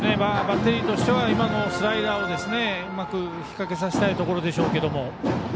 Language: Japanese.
バッテリーとしては今のスライダーうまく引っ掛けさせたいところでしょうけども。